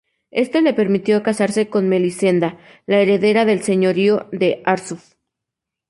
Esto le permitió casarse con Melisenda, la heredera del Señorío de Arsuf.